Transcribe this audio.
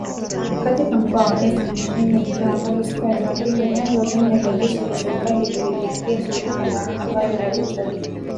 Katika mkoa wa Est nchini Burkina Faso siku ya Jumapili vyanzo vine vya jeshi la serikali vililiambia shirika la habari la Reuters